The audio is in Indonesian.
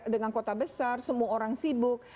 dengan kota besar semua orang sibuk